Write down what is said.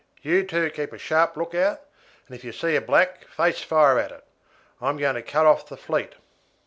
You two keep a sharp look out, and if you see a black face fire at it. I am going to cut out the fleet."